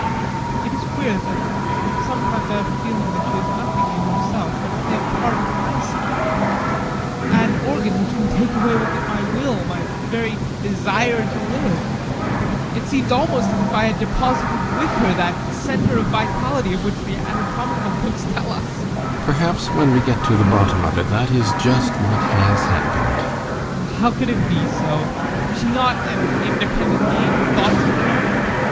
It is queer that sometimes I have a feeling that she is nothing in herself, but only a part of myself an organ that can take away with it my will, my very desire to live. It seems almost as if I had deposited with her that centre of vitality of which the anatomical books tell us. GUSTAV. Perhaps, when we get to the bottom of it, that is just what has happened. ADOLPH. How could it be so? Is she not an independent being, with thoughts of her own?